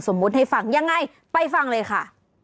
ให้ฟังยังไงไปฟังเลยค่ะ